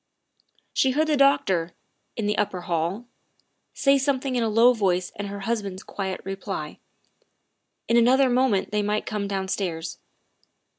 She heard the doctor, in the upper hall, say something in a low voice and her husband 's quiet reply. In another moment they might come downstairs.